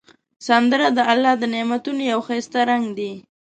سندره د الله د نعمتونو یو ښایسته رنگ دی